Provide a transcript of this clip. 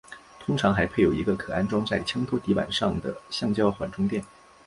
通常还配有一个可安装在枪托底板上的橡胶缓冲垫。